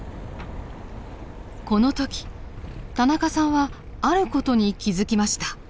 この時田中さんはある事に気付きました。